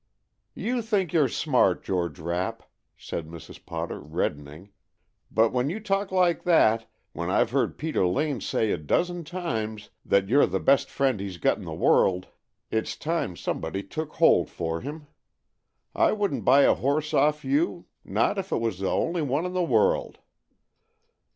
"You think you 're smart, George Rapp," said Mrs. Potter, reddening, "but when you talk like that, when I've heard Peter Lane say, a dozen times, that you're the best friend he's got in the world, it's time somebody took hold for him. I wouldn't buy a horse off you, not if it was the only one in the world!"